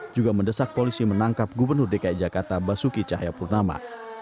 juga mendesak polisi menangkap gubernur dki jakarta basuki cahayapurnama